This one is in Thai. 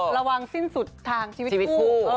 ระวังสิ้นสุดทางชีวิตคู่